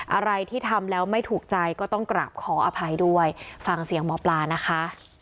อะไรที่ทำแล้วไม่ถูกใจก็ต้องกราบขออภัยด้วยฟังเสียงหมอปลานะคะ